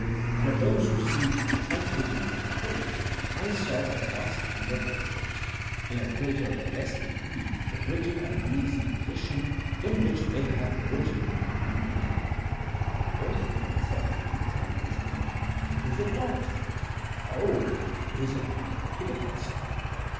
And of those who seemed tranquilly to repose, I saw that a vast number had changed, in a greater or less degree, the rigid and uneasy position in which they had originally been entombed. And the voice again said to me as I gazed: "Is it not oh! is it not a pitiful sight?"